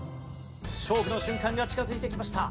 勝負の瞬間が近づいてきました。